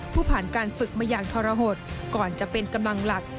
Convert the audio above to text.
ผ่านการฝึกมาอย่างทรหดก่อนจะเป็นกำลังหลัก